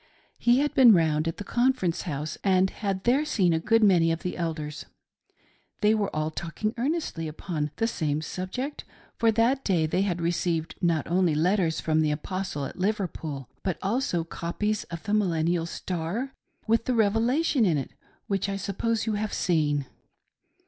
He had been round at the Conference house, and had there seen a good many of the Elders. They were all talking earnestly upon the same subject, for that day they had received not only letters from the Apostle at Liverpool, but also copies of the Millennial Star, with the Revelation in it, which I suppose you have seen.